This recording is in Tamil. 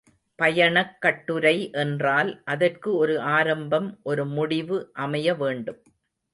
பயணக் கட்டுரை என்றால் அதற்கு ஒரு ஆரம்பம் ஒரு முடிவு அமைய வேண்டும்.